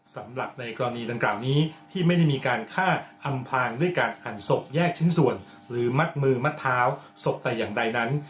สำหรับในกรณีดังกล่าวนี้ที่ไม่ได้มีการฆ่าอำพางด้วยการหั่นศพแยกชิ้นส่วนหรือมัดมือมัดเท้าศพแต่อย่างใดนั้น